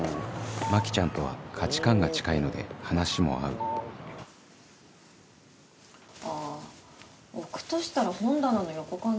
マキちゃんとは価値観が近いので話も合うあぁ置くとしたら本棚の横かな。